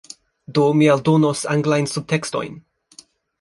Do, mi aldonos anglajn subtekstojn